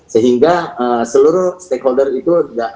sehingga seluruh stakeholder itu